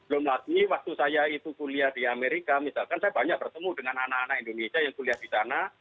belum lagi waktu saya itu kuliah di amerika misalkan saya banyak bertemu dengan anak anak indonesia yang kuliah di sana